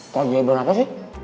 kajaiban apa sih